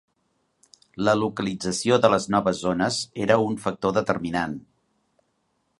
La localització de les noves zones era un factor determinant.